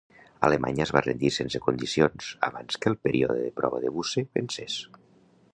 Alemanya es va rendir sense condicions abans que el període de prova de Busse vencés.